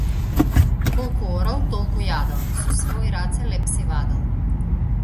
Колку орал толку јадел, со свои раце леб си вадел.